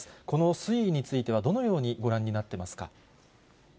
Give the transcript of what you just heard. この推移についてはどのようにご覧になってますか？